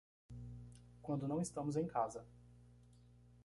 Quando não estamos em casa